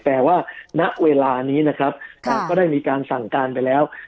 แต่ว่าณเวลานี้นะครับก็ได้มีการสั่งการไปแล้ว